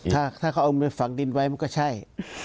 ถ้าเขาเอามือฝังดินไว้มันก็ใช่